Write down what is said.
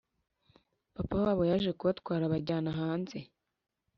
Papa wabo yaje kubatwara abajyana hanze